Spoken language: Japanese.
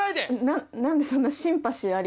な何でそんなシンパシーありありなの？